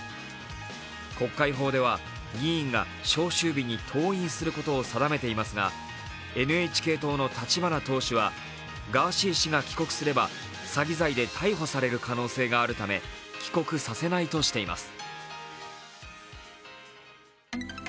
国会法では議員が召集日に登院することを定めていますがＮＨＫ党の立花党首はガーシー氏が帰国すれば詐欺罪で逮捕される可能性があるため帰国させないとしています。